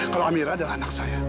kalau amira adalah anak saya